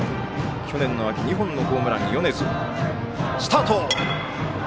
去年の秋、２本のホームラン米津。